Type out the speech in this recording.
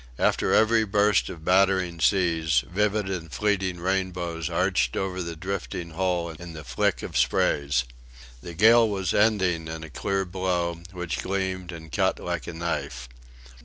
After every burst of battering seas, vivid and fleeting rainbows arched over the drifting hull in the flick of sprays. The gale was ending in a clear blow, which gleamed and cut like a knife.